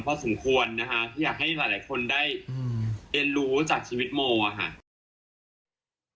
พอสมควรนะคะที่อยากให้หลายคนได้เรียนรู้จากชีวิตโมอะค่ะ